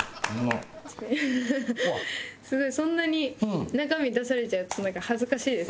すごいそんなに中身出されちゃうと恥ずかしいです。